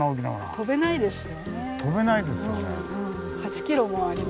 飛べないですよね。